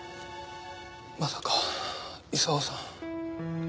まさか功さん？